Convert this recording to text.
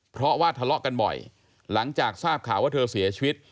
เพราะว่าทะเลาะกันบ่อยหลังจากทราบข่าวว่าเธอเสียชีวิต